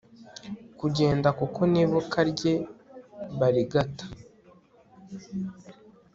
Kugenda kuko nibuka rye barigata